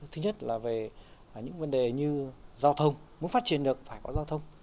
thứ nhất là về những vấn đề như giao thông muốn phát triển được phải có giao thông